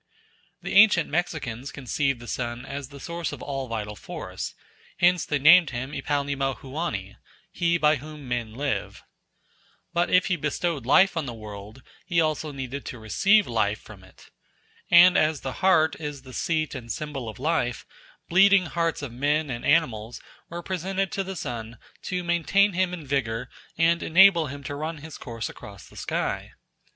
The ancient Mexicans conceived the sun as the source of all vital force; hence they named him Ipalnemohuani, "He by whom men live." But if he bestowed life on the world, he needed also to receive life from it. And as the heart is the seat and symbol of life, bleeding hearts of men and animals were presented to the sun to maintain him in vigour and enable him to run his course across the sky.